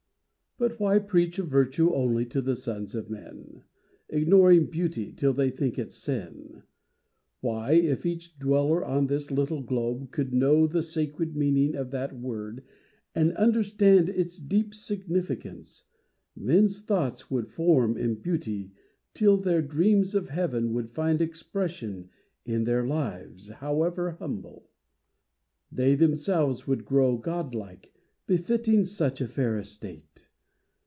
But why preach Of virtue only to the sons of men, Ignoring beauty, till they think it sin? Why, if each dweller on this little globe Could know the sacred meaning of that word And understand its deep significance, Men's thoughts would form in beauty, till their dreams Of heaven would find expression in their lives, However humble; they themselves would grow Godlike, befitting such a fair estate.